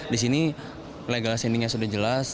di sini legal standing nya sudah jelas